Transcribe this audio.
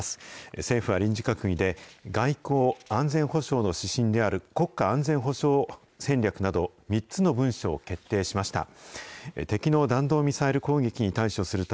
政府は臨時閣議で、外交・安全保障の指針である国家安全保障戦略など、３つの文書を決定しました。